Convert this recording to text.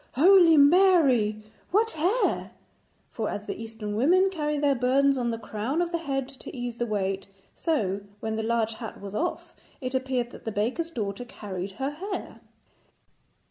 Holy Mary, what hair!' For as the Eastern women carry their burdens on the crown of the head to ease the weight, so, when the large hat was off, it appeared that the baker's daughter carried her hair.